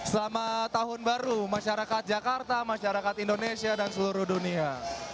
selamat tahun baru masyarakat jakarta masyarakat indonesia dan seluruh dunia